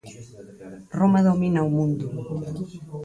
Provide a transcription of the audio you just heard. Roma domina o mundo.